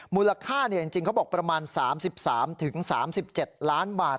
มูลค่าจริงเขาบอกประมาณ๓๓๗ล้านบาท